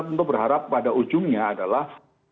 tentu berharap pada ujungnya adalah